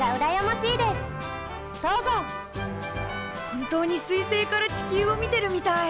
本当に彗星から地球を見てるみたい。